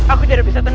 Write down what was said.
aku tidak bisa tenang